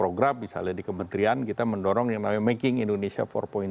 program misalnya di kementerian kita mendorong yang namanya making indonesia empat